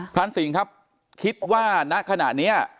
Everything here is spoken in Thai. พลานศีลครับคิดว่าณขณะนี้